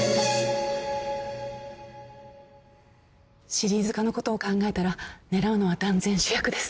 シリーズ化のことを考えたら狙うのは断然主役です。